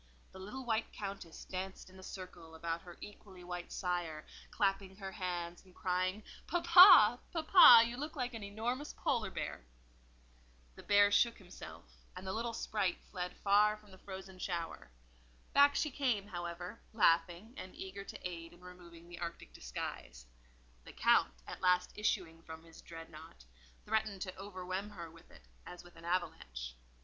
The little white Countess danced in a circle about her equally white sire, clapping her hands and crying, "Papa, papa, you look like an enormous Polar bear." The bear shook himself, and the little sprite fled far from the frozen shower. Back she came, however, laughing, and eager to aid in removing the arctic disguise. The Count, at last issuing from his dreadnought, threatened to overwhelm her with it as with an avalanche.